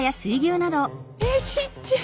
えっちっちゃい！